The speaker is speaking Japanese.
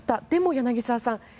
でも、柳澤さん